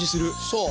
そう。